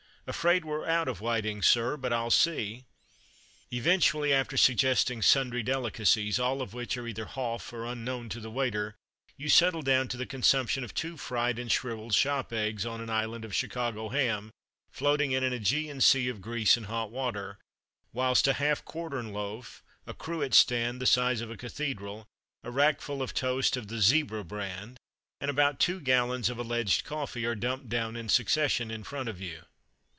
"Afraid we're out of whitings, sir, but I'll see." Eventually, after suggesting sundry delicacies, all of which are either "hoff," or unknown to the waiter, you settle down to the consumption of two fried and shrivelled shop eggs, on an island of Chicago ham, floating in an Ægean Sea of grease and hot water; whilst a half quartern loaf, a cruet stand the size of a cathedral, a rackful of toast of the "Zebra" brand, and about two gallons of (alleged) coffee, are dumped down in succession in front of you.